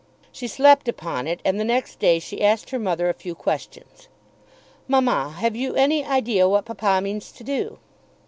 She slept upon it, and the next day she asked her mother a few questions. "Mamma, have you any idea what papa means to do?"